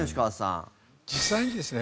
実際にですね